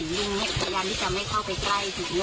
ไม่ติดตาไปก่อนครับ